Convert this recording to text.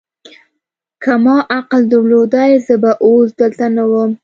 که ما عقل درلودای، زه به اوس دلته نه ووم.